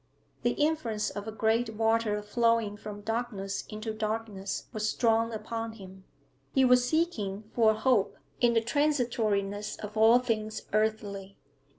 The influence of a great water flowing from darkness into darkness was strong upon him; he was seeking for a hope in the transitoriness of all things earthly.